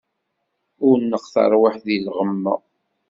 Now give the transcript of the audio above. Ur neqq tarwiḥt di lɣemma.